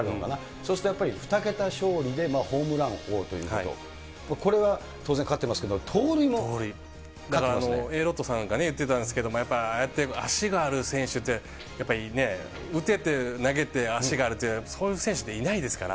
そうするとやっぱり２桁勝利でホームラン王ということ、これは当だからＡロッドさんが言ってたんですけど、やっぱり足がある選手ってやっぱりね、打てて投げて足があるって、そういう選手っていないですから。